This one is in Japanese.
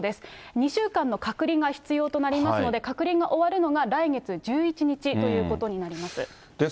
２週間の隔離が必要となりますので、隔離が終わるのが来月１１日ということになります。